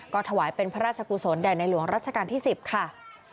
ก็ถวายเป็นพระราชกุศลแด่ในหลวงรัชกาลที่๑๐ค่ะ